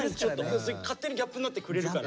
勝手にギャップになってくれるから。